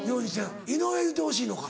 井上言うてほしいのか？